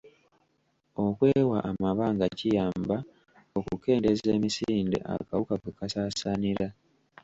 Okwewa amabanga kiyamba okukendeeza emisinde akawuka kwe kasaasaanira.